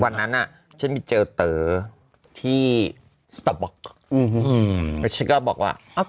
วันนั้นอ่ะฉันไปเจอเต๋อที่สตอบล็อกแล้วฉันก็บอกว่า